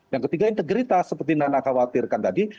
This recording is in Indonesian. yang ketiga integritas seperti nana khawatirkan tadi